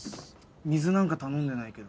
水なんか頼んでないけど。